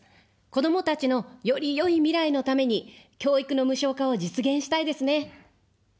子どもたちのよりよい未来のために、教育の無償化を実現したいですね。